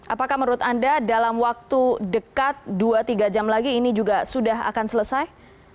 apakah menurut anda dalam waktu dekat dua tiga jam lagi ini juga sudah akan selesai